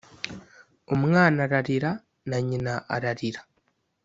umwana ararira, na nyina ararira.